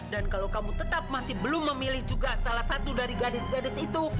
dan kalau kamu tetap masih belum memilih juga salah satu dari gadis gadis itu